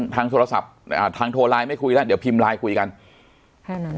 ทางโทรศัพท์ทางโทรไลน์ไม่คุยแล้วเดี๋ยวพิมพ์ไลน์คุยกันแค่นั้น